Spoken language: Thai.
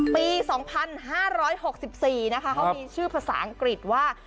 ปี๒๕๖๔นะคะเขามีชื่อภาษาอังกฤษว่า